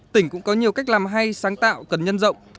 tỉnh cũng có nhiều cách làm hay sáng tạo cần nhân rộng